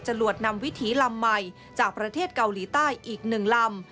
หวดนำวิถีลำใหม่จากประเทศเกาหลีใต้อีก๑ลำ